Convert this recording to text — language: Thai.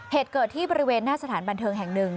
เหตุเกิดที่บริเวณหน้าสถานบันเทิงแห่งหนึ่ง